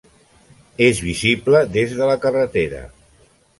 És visible des de la carretera.